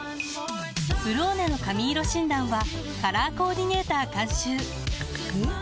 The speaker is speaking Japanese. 「ブローネ」の髪色診断はカラーコーディネーター監修おっ！